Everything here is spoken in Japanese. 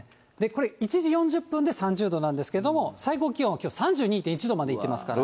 これ、１時４０分で３０度なんですけれども、最高気温はきょう、３２．１度までいってますから。